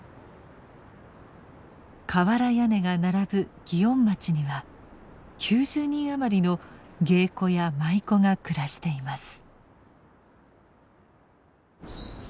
瓦屋根が並ぶ祇園町には９０人余りの芸妓や舞妓が暮らしています。